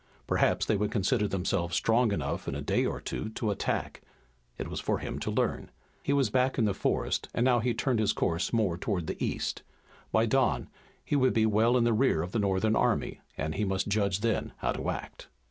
Perhaps they would consider themselves strong enough in a day or two to attack. It was for him to learn. He was back in the forest and he now turned his course more toward the east. By dawn he would be well in the rear of the Northern army, and he must judge then how to act.